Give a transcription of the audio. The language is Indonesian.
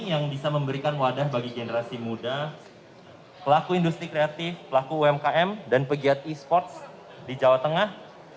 yang bisa memberikan wadah bagi generasi muda pelaku industri kreatif pelaku umkm dan pegiat e sports di jawa tengah